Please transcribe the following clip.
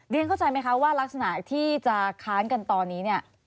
เข้าใจไหมคะว่ารักษณะที่จะค้านกันตอนนี้เนี่ย